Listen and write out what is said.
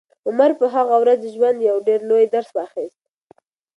عمر په هغه ورځ د ژوند یو ډېر لوی درس واخیست.